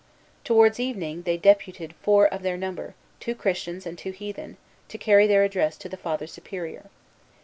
Towards evening, they deputed four of their number, two Christians and two heathen, to carry their address to the Father Superior.